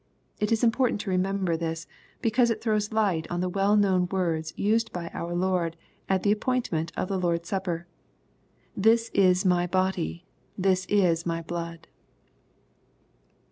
It is important to remember this, because it throws light on the well known words used by our Lord at the appointment of the Lord's supper, " This is my body This is my blood."